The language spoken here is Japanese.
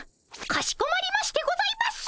かしこまりましてございます！